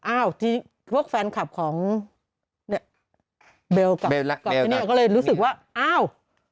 อ้าวที่พวกแฟนคลับของเนี้ยเบลล่ากับก็เลยรู้สึกว่าอ้าว